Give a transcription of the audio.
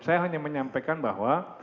saya hanya menyampaikan bahwa